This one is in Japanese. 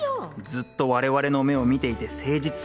ずっと我々の目を見ていて誠実そうでしたし